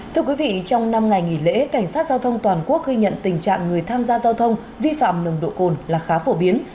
thưa quý vị trong năm ngày nghỉ lễ cảnh sát giao thông toàn quốc ghi nhận tình trạng người tham gia giao thông vi phạm nồng độ cồn là khá phổ biến